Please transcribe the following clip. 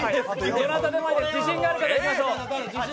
どなたでも自信のある方、いきましょう。